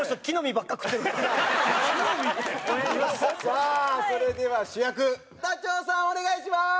さあそれでは主役ダチョウさんお願いします！